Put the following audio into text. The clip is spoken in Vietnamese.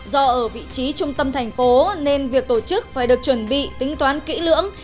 do ở vị trí trung tâm thành phố nên việc tổ chức phải được chuẩn bị tính toán kỹ lưỡng